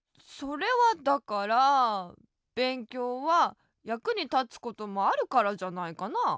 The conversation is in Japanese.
それはだからべんきょうはやくにたつこともあるからじゃないかな。